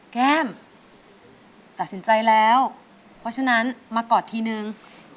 แก้มตัดสินใจแล้วเพราะฉะนั้นมากอดทีนึง